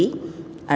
adalah sakit gula